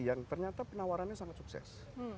yang ternyata penawarannya sangat sukses